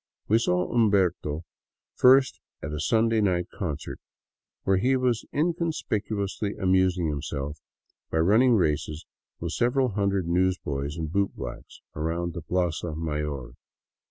We saw Umberto first at a Sunday night concert, where he was in conspicuously amusing himself by running races with several hundred newsboys and bootblacks around the plaza mayor.